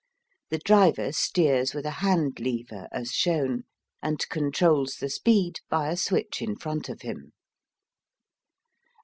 The driver steers with a hand lever as shown, and controls the speed by a switch in front of him.